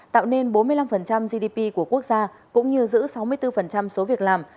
tạo nên bốn mươi năm gdp của quốc gia cũng như giữ sáu mươi bốn số việc làm